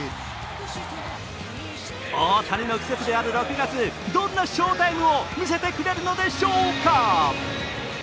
大谷の季節である６月どんな翔タイムを見せてくれるのでしょうか。